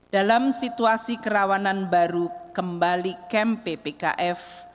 dalam situasi kerawanan baru kembali kemp ppkf